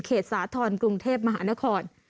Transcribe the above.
เขตสาธารกรุงเทพมหานคร